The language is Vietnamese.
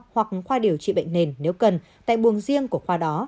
hoặc khoa điều trị bệnh nền nếu cần tại buồng riêng của khoa đó